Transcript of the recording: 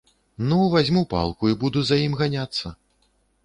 Ну, вазьму палку і буду за ім ганяцца.